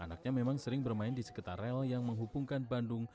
anaknya memang sering bermain di sekitar rel yang menghubungkan bandung